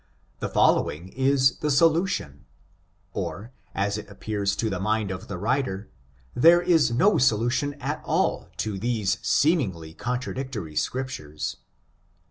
The following is the solution, or, as it appears to the mitid of the writer, there is no solution at all to these seemingly contradictory scriptures.